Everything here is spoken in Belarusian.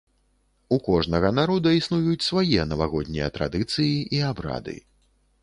У кожнага народа існуюць свае навагоднія традыцыі і абрады.